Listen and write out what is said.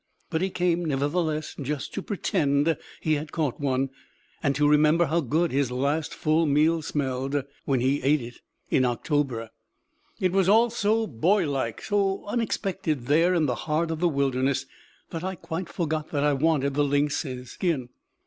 But he came, nevertheless, just to pretend he had caught one, and to remember how good his last full meal smelled when he ate it in October. It was all so boylike, so unexpected there in the heart of the wilderness, that I quite forgot that I wanted the lynx's skin.